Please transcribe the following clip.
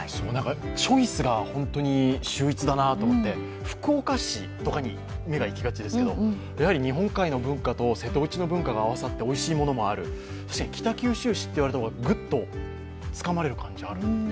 チョイスが本当に秀逸だなと思って福岡市とかに目が行きがちですけどやはり日本海の文化と瀬戸内の文化が合わさっておいしいものがたくさんある、確かに北九州市っていわれた方がぐっとつかまれる感じがする。